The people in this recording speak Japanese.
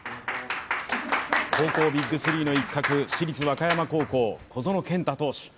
高校ＢＩＧ３の一角市立和歌山高校、小園健太投手。